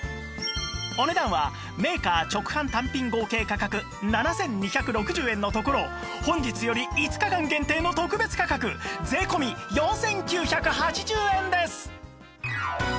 お値段はメーカー直販単品合計価格７２６０円のところ本日より５日間限定の特別価格税込４９８０円です